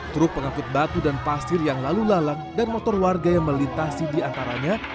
truk pengangkut batu dan pasir yang lalu lalang dan motor warga yang melintasi diantaranya